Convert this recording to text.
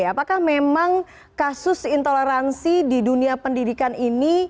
apakah memang kasus intoleransi di dunia pendidikan ini